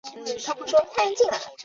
被严实征辟到东平路幕府。